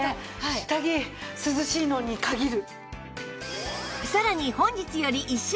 下着涼しいのに限る！